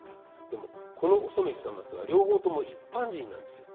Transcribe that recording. でもこのお染久松は両方とも一般人なんですよ。